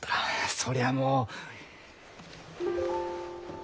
そりゃもう。